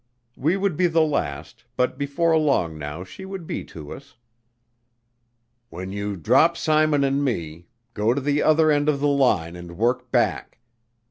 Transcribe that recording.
We would be the last, but before long now she would be to us. "When you drop Simon and me, go to the other end of the line and work back.